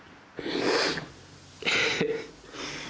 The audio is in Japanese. ヘヘッ。